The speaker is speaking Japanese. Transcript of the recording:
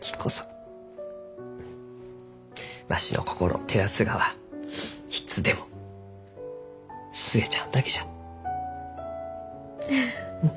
わしの心を照らすがはいつでも寿恵ちゃんだけじゃ。